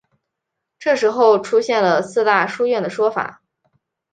这时候出现了四大书院的说法。